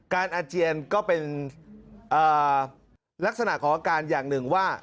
อาเจียนก็เป็นลักษณะของอาการอย่างหนึ่งว่า